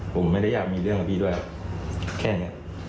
ผมไม่ได้อยากมีเรื่องกับพี่ด้วยแค่นี้